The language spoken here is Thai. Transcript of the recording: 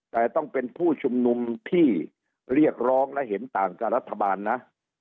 แต่ต้องเป็นผู้ชุมนุมที่เรียกร้องและเห็นต่างกับรัฐบาลนะ